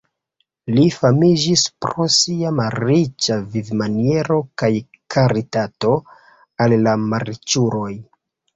Li famiĝis pro sia malriĉa vivmaniero kaj karitato al la malriĉuloj.